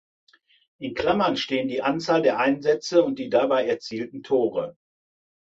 In Klammern stehen die Anzahl der Einsätze und die dabei erzielten Tore.